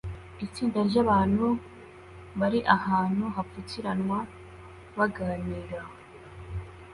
Itsinda ryabantu bari ahantu hapfukiranwa baganira